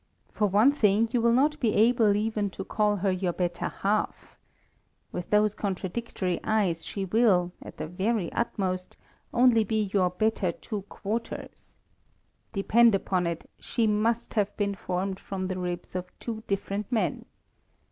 "For one thing, you will not be able even to call her your better half. With those contradictory eyes she will, at the very utmost, only be your better two quarters. Depend upon it, she must have been formed from the ribs of two different men.